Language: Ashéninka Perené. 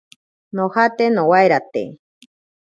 Nojate nowairate.